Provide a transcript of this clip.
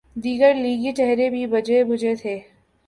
دیگر لیگی چہرے بھی بجھے بجھے تھے۔